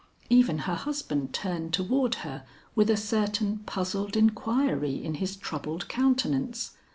Even her husband turned toward her with a certain puzzled inquiry in his troubled countenance.